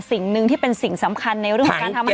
สิ่งหนึ่งที่เป็นสิ่งสำคัญในเรื่องของการทำให้